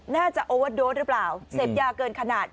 น่าจะโอวาโดสหรือเปล่าเสพยาเกินขนาด